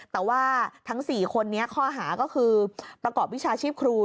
แต่ว่าทั้ง๔คนนี้ข้อหาก็คือประกอบวิชาชีพครู